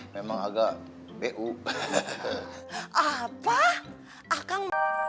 memang agak bu apa akan